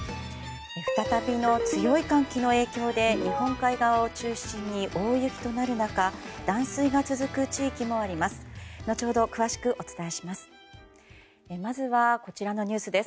再びの強い寒気の影響で日本海側を中心に大雪となる中断水が続く地域もあります。